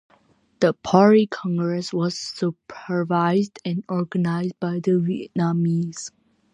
The Party Congress was supervised and organized by the Vietnamese.